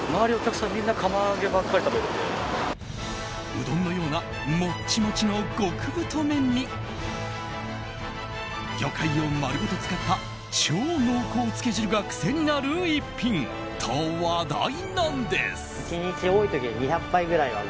うどんのようなもっちもちの極太麺に魚介を丸ごと使った超濃厚つけ汁が癖になるひと品と話題なんです。